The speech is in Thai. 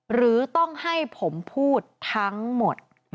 หรือต้องให้ผมพูดทั้งหมด